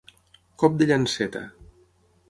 Cop de llanceta.